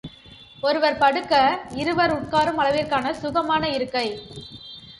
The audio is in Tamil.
ஒருவர் படுக்க இருவர் உட்காரும் அளவிற்கான சுகமான இருக்கை.